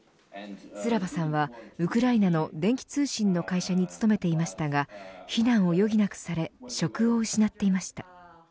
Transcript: スラバさんはウクライナの電気通信の会社に勤めていましたが避難を余儀なくされ職を失っていました。